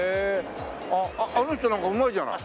あっあの人なんかうまいじゃない。